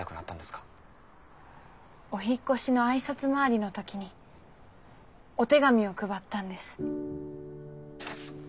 お引っ越しの挨拶回りの時にお手紙を配ったんです。